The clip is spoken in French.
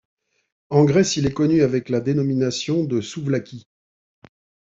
En Grèce, il est connu avec la dénomination de souvlaki.